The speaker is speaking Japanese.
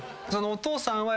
お父さんは。